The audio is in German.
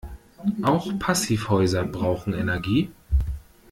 Auch Passivhäuser brauchen Energie.